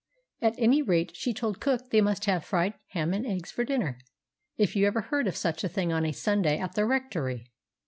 At any rate, she told cook they must have fried ham and eggs for dinner—if you ever heard of such a thing on a Sunday at the rectory!